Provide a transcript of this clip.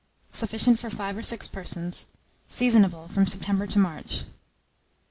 Sufficient for 5 or 6 persons. Seasonable from September to March.